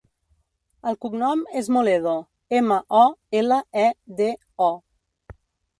El cognom és Moledo: ema, o, ela, e, de, o.